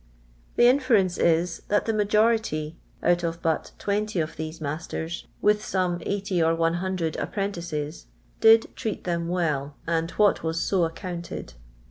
The inference is, that the majority, out of but 20 of these masters, with some 80 or 100 apprentices, did treat them well, and what was so accounted.